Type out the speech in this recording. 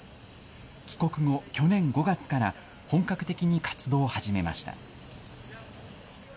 帰国後、去年５月から本格的に活動を始めました。